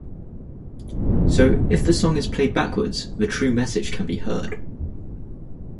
So, if the song is played backwards, the true message can be heard.